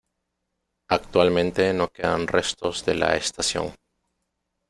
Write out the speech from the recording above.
Actualmente no quedan restos de la estación.